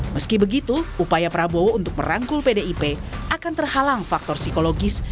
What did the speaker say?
meski begitu upaya prabowo untuk merangkul pdip akan terhalang faktor psikologis